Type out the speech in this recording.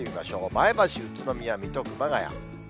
前橋、宇都宮、水戸、熊谷。